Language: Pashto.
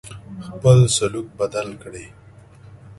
خپل سلوک بدل کړی.